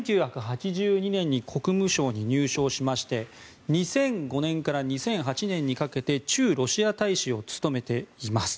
１９８２年に国務省に入省しまして２００５年から２００８年にかけて駐ロシア大使を務めています。